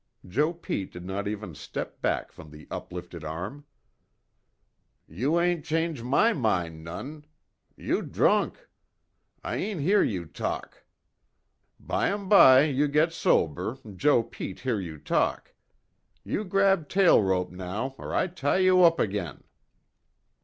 Joe Pete did not even step back from the up lifted arm. "You ain' change my min' none. You droonk. I ain' hear you talk. Bye m bye, you git sober, Joe Pete hear you talk. You grab tail rope now or I tie you oop agin."